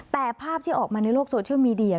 แต่ภาพที่ออกมาในโลกโซเชียลมีเดีย